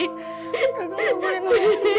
kakak kau boleh melihat itu